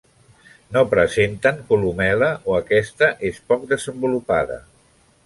No presenten columel·la o aquesta és poc desenvolupada.